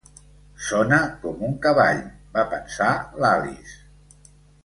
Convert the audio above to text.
'Sona com un cavall', va pensar l'Alice.